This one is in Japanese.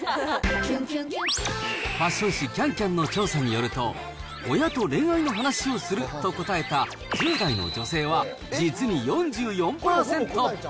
ファッション誌、ＣａｎＣａｍの調査によると、親と恋愛の話をすると答えた１０代の女性は、実に４４％。